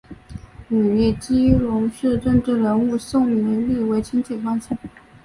与基隆市政治人物宋玮莉为亲戚关系。